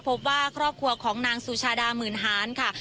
พบว่าครอบครัวของนางสุชาดาหมื่นหานค่ะ